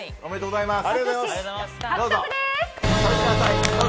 ありがとうございます。